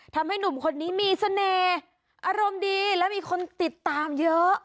ทำให้หนุ่มคนนี้มีเสน่ห์อารมณ์ดีและมีคนติดตามเยอะ